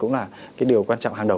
cũng là cái điều quan trọng hàng đầu